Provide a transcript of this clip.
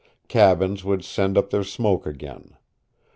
Cabins would send up their smoke again.